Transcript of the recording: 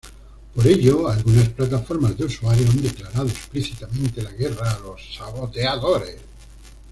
Por ello, algunas plataformas de usuarios han declarado explícitamente la guerra a los saboteadores.